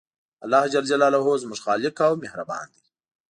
الله ج زموږ خالق او مهربان دی